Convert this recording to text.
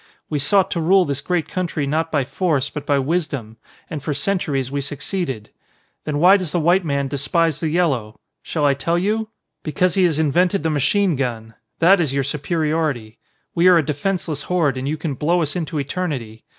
We sought to rule this great country not by force, but by wisdom. And for centuries we succeeded. Then why does the white man despise the yellow? Shall I tell you? Because he has invented the machine gun. That is your superiority. We are a defenceless horde and you can blow us into eternity.